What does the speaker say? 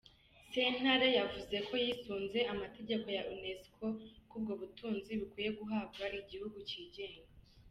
Sentare yavuze ko yisunze amategeko ya Unesco, ko ubwo butunzi bukwiye guhabwa igihugu cigenga.